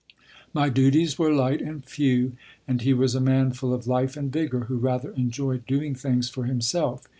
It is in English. My duties were light and few, and he was a man full of life and vigor, who rather enjoyed doing things for himself.